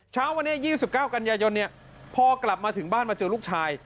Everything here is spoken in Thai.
เช้าวันนี้๒๙กันยายนพอกลับมาถึงบ้านมาเจอลูกชาย